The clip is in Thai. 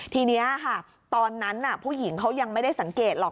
ทีนี้ค่ะตอนนั้นผู้หญิงเขายังไม่ได้สังเกตหรอก